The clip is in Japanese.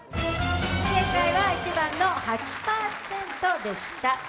正解は１番の８％でした。